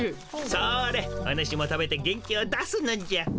それおぬしも食べて元気を出すのじゃ。